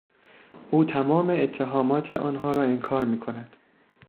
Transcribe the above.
او تمام اتهامات آنها را انکار میکند.